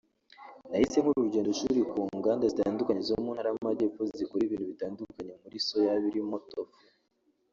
nahise nkora urugendoshuri ku nganda zitandukanye zo mu Ntara y’Amajyepfo zikora ibintu bitandukanye muri Soya birimo Tofu